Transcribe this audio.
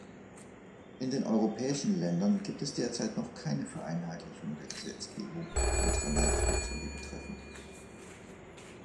In den europäischen Ländern gibt es derzeit noch keine Vereinheitlichung der Gesetzgebung, Ultraleichtflugzeuge betreffend.